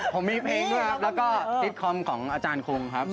ผมมีเพลงด้วยครับแล้วก็ซิตคอมของอาจารย์คงครับ